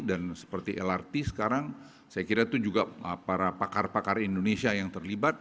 dan seperti lrt sekarang saya kira itu juga para pakar pakar indonesia yang terlibat